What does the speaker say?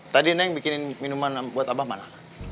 tadi neng bikinin minuman buat abah mana